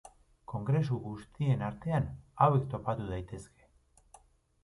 Kongresu guztien artean, hauek topatu daitezke.